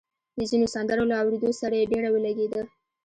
د ځينو سندرو له اورېدو سره يې ډېره ولګېده